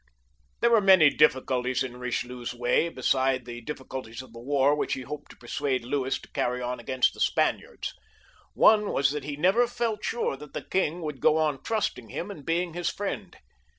There were many difficulties in Bichelieu's way besides the difficulties of the war which he hoped to persuade Louis to carry on axrainst the Spaniards. One was that he never fXL tTuxe king would go on trusting him and being his fiiend.